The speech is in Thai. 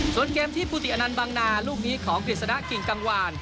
ส่วนเกมที่ปุติอนันต์บางนาลูกนี้ของกฤษณะกิ่งกังวาน